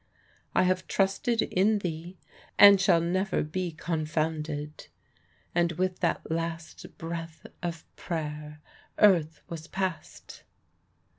I have trusted in thee, and shall never be confounded;" and with that last breath of prayer earth was past.